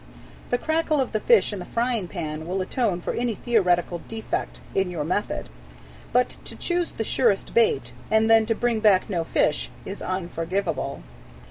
The crackle of the fish in the frying pan will atone for any theoretical defect in your method. But to choose the surest bait, and then to bring back no fish, is unforgivable.